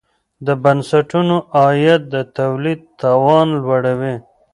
د بنسټونو عاید د تولید توان لوړوي.